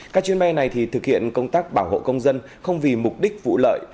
các chuyến bay này thực hiện công tác bảo hộ công dân không vì mục đích vụ lợi